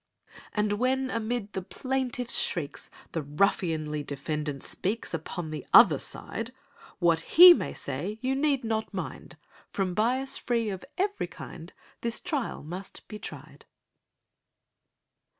And when amid the plaintiff's shrieks, The ruffianly defendant speaks— Upon the other side; What he may say you need not mind— From bias free of every kind, This trial must be tried!